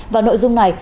vào nội dung này